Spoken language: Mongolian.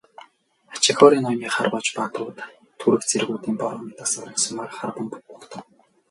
Ачигхори ноёны харваач баатрууд түрэг цэргүүдийг бороо мэт асгарах сумаар харван угтав.